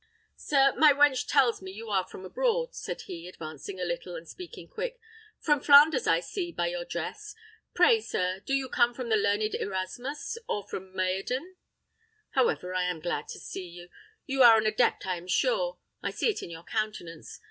"Sir, my wench tells me you are from abroad," said he, advancing a little, and speaking quick. "From Flanders, I see, by your dress. Pray, sir, do you come from the learned Erasmus, or from Meyerden? However, I am glad to see you. You are an adept, I am sure; I see it in your countenance.